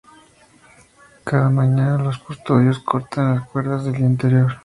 Cada mañana los custodios cortan las cuerdas del día anterior.